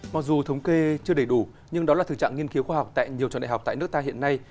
mặc dù thống kê chưa đầy đủ nhưng đó là thực trạng nghiên cứu khoa học tại nhiều trường đại học tại nước ta hiện nay